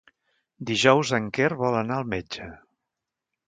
Dijous en Quer vol anar al metge.